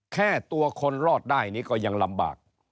แค่ตัวคนรอดได้นี่ก็ยังลำบาก